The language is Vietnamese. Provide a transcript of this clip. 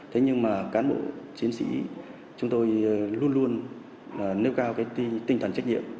thế nhưng cán bộ chiến sĩ chúng tôi luôn luôn nêu cao tinh thần trách nhiệm